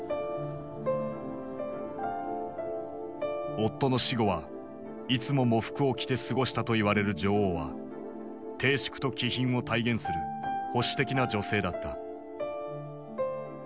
夫の死後はいつも喪服を着て過ごしたといわれる女王は貞淑と気品を体現する保守的な女性だった。